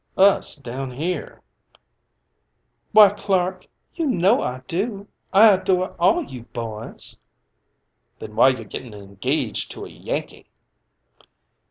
"Us down here?" "Why, Clark, you know I do. I adore all you boys." "Then why you gettin' engaged to a Yankee?"